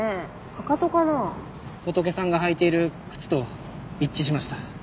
ホトケさんが履いている靴と一致しました。